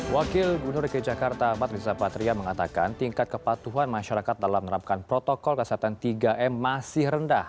wakil gubernur dki jakarta ahmad riza patria mengatakan tingkat kepatuhan masyarakat dalam menerapkan protokol kesehatan tiga m masih rendah